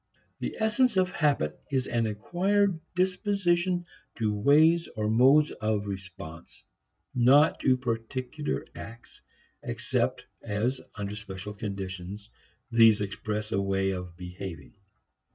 The essence of habit is an acquired predisposition to ways or modes of response, not to particular acts except as, under special conditions, these express a way of behaving.